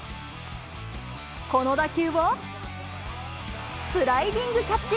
この打球を、スライディングキャッチ。